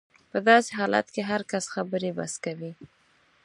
په داسې حالت کې هر کس خبرې بس کوي.